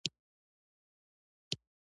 د چارو واګې په لاس کې واخیستې.